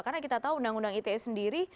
karena kita tahu undang undang its sendiri